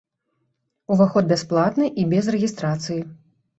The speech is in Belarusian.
Уваход бясплатны і без рэгістрацыі.